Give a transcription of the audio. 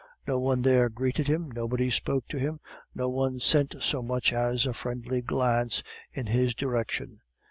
No one there greeted him, nobody spoke to him, no one sent so much as a friendly glance in his direction.